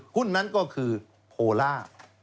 หุ้นนั้นก็คือโพล่า